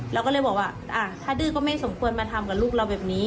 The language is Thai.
เราก็เลยบอกว่าถ้าดื้อก็ไม่สมควรมาทำกับลูกเราแบบนี้